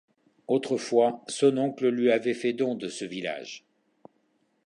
Autrefois, son oncle lui avait fait don de ce village.